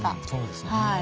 そうですよね。